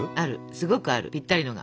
すごくあるぴったりのが。